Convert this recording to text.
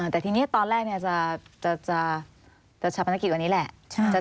แต่ทีนี้ตอนแรกจะชาปนกิจวันนี้แหละ